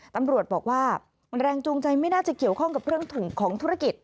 ตำรวจบอกว่าแรงจูงใจไม่น่าจะเกี่ยวข้องกับเรื่องของธุรกิจ